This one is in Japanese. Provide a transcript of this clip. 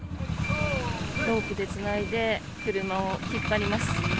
ロープでつないで車を引っ張ります。